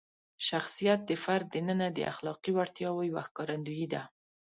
شخصیت د فرد دننه د اخلاقي وړتیاوو یوه ښکارندویي ده.